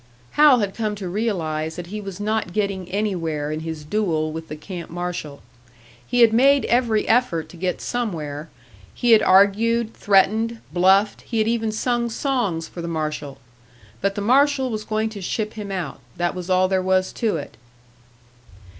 Hal had come to realise that he was not getting anywhere in his duel with the camp marshal. He had made every effort to get somewhere; he had argued, threatened, bluffed, he had even sung songs for the marshal! But the marshal was going to ship him out, that was all there was to it.